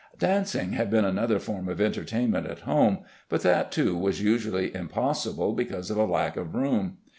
Dancing had been another form of entertainment at home but that too was usually impossible because of the lack of room.